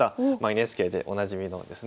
ＮＨＫでおなじみのですね。